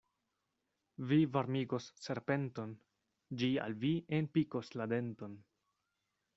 Vi varmigos serpenton, ĝi al vi enpikos la denton.